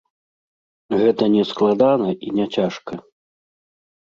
Гэта не складана і не цяжка.